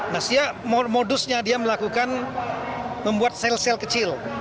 nah siap modusnya dia melakukan membuat sel sel kecil